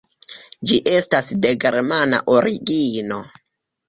Ĝi estas de germana origino.